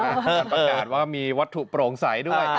การประกาศว่ามีวัตถุโปร่งใสด้วย